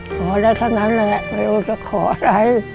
พอได้เท่านั้นแหละรึยังจะขออะไร